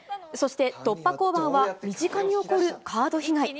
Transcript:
そして、突破交番は、身近に起こるカード被害。